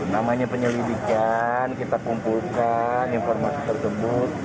namanya penyelidikan kita kumpulkan informasi tersebut